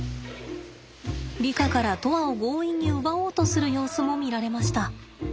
リカから砥愛を強引に奪おうとする様子も見られました。